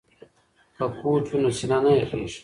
که کوټ وي نو سینه نه یخیږي.